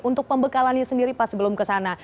untuk pembekalannya sendiri pas belum ke sana